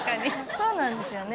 そうなんですよね。